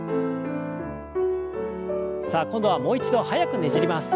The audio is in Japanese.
さあ今度はもう一度速くねじります。